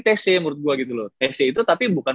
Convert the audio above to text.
tc menurut gue gitu loh tc itu tapi bukan